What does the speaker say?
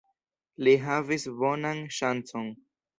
Li havis bonan ŝancon.